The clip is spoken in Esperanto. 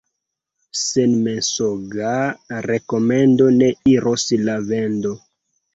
Sen mensoga rekomendo ne iros la vendo.